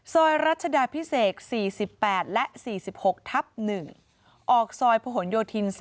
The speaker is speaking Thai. ซอยรพ๔๘และ๔๖ทับ๑ออกซอยพย๓๕